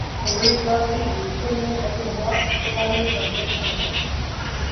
America के Houston में खत्म हुआ अस्पताल में बंधक संकट